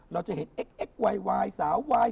เราจะเห็นเแอ๊กวายสาววายมาก